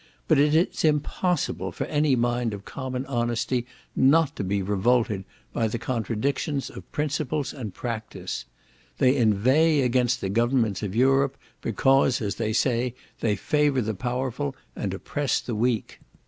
But it is impossible for any mind of common honesty not to be revolted by the contradictions in their principles and practice. They inveigh against the governments of Europe, because, as they say, they favour the powerful and oppress the weak.